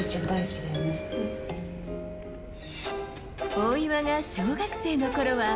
大岩が小学生のころは。